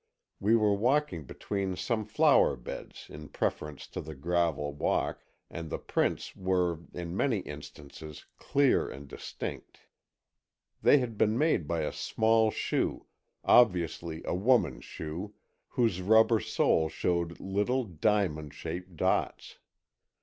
We were walking between some flower beds in preference to the gravel walk, and the prints were, in many instances, clear and distinct. They had been made by a small shoe, obviously a woman's shoe, whose rubber sole showed little diamond shaped dots.